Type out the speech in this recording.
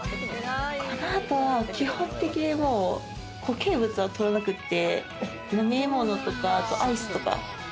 この後は基本的に固形物は取らなくって、飲み物とかアイスとか。